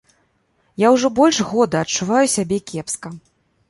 Я ўжо больш года адчуваю сябе кепска.